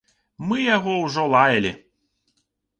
Мы яго ўжо лаялі.